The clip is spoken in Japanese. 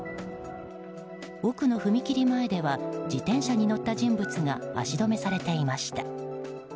奥の踏切前では自転車に乗った人物が足止めされていました。